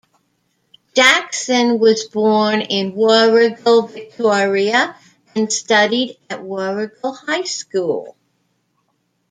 Jackson was born in Warragul, Victoria, and studied at Warragul High School.